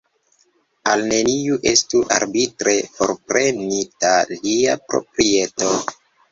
Al neniu estu arbitre forprenita lia proprieto.